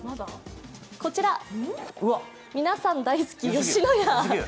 こちら、皆さん大好き吉野家。